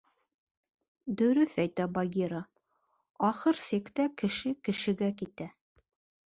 Дөрөҫ әйтә Багира: ахыр сиктә кеше кешегә китә...